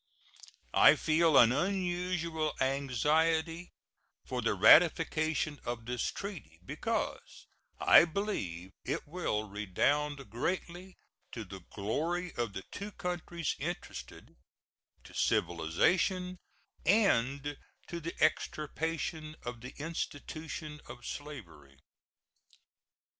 I feel an unusual anxiety for the ratification of this treaty, because I believe it will redound greatly to the glory of the two countries interested, to civilization, and to the extirpation of the institution of slavery.